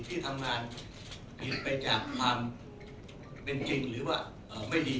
ที่ทำงานผิดไปจากความเป็นจริงหรือว่าไม่ดี